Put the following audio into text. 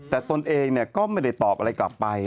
แต่ตนเองก็ไม่ได้ตอบอะไรกลับไป